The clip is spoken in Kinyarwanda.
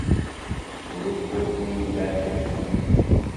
Urupfu rw indahemuka